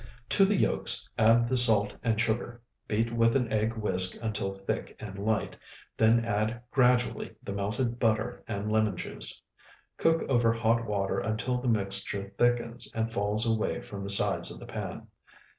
To the yolks add the salt and sugar; beat with an egg whisk until thick and light, then add gradually the melted butter and lemon juice. Cook over hot water until the mixture thickens and falls away from the sides of the pan.